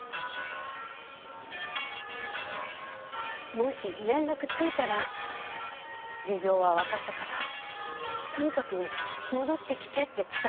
もし連絡ついたら事情は分かったからとにかく戻ってきてって伝えて。